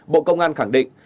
bộ công an khẳng định